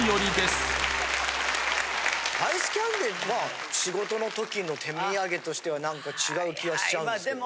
アイスキャンデーが仕事の時の手土産としては何か違う気がしちゃうんですけど。